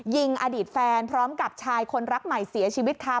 ยิงอดีตแฟนพร้อมกับชายคนรักใหม่เสียชีวิตค่ะ